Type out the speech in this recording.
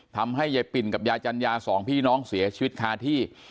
ทำให้ยายปิ่นกับยายจัญญาสองพี่น้องเสียชีวิตคาที่